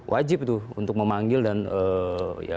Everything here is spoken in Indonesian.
wajib tuh untuk memanggil dan ya